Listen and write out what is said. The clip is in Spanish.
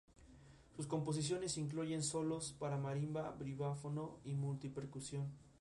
Actualmente entrena con vistas a integrar la selección Nacional Argentina.